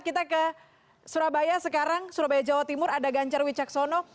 kita ke surabaya sekarang surabaya jawa timur ada ganjar wicaksono